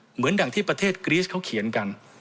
เหมือนอย่างที่ประเทศกรีสเขาเขียนกัน